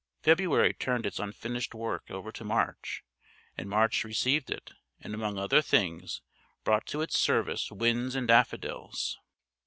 February turned its unfinished work over to March, and March received it, and among other things brought to its service winds and daffodils.